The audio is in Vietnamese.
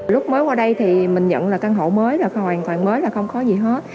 lúc mới qua đây thì mình nhận là căn hộ mới là hoàn toàn mới là không có gì hết